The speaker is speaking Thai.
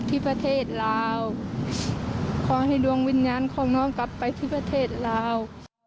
ที่ประเทศลาวขอให้ดวงวิญญาณของน้องกลับไปที่ประเทศลาว